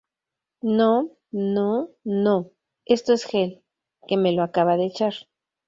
no, no, no... esto es gel, que me lo acaba de echar.